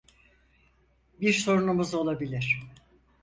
Bir sorunumuz olabilir.